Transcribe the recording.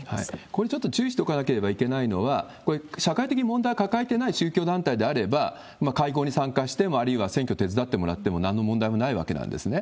これちょっと注意しておかなければいけないのは、これ、社会的に問題を抱えていない宗教団体であれば、会合に参加しても、あるいは選挙手伝ってもらっても、なんの問題もないわけなんですね。